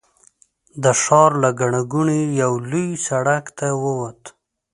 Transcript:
د ښار له ګڼې ګوڼې یوه لوی سړک ته ووت.